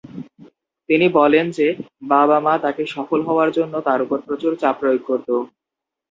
তিনি বলেন যে বাবা-মা তাকে সফল হওয়ার জন্য তার উপর প্রচুর চাপ প্রয়োগ করতো।